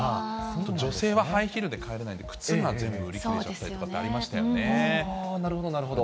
女性はハイヒールで帰れないんで、靴が全部売り切れちゃったりとかなるほどなるほど。